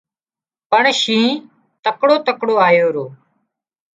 پڻ شِنهن تڪڙو تڪڙو آيو رو